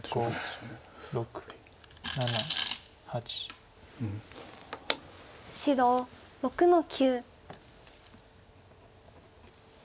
白６の九。